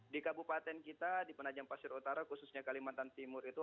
di kabupaten kita di penajam pasir utara khususnya kalimantan timur itu